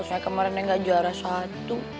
saya kemarin neng nggak juara satu